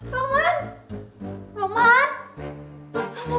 roman jangan sakit dong man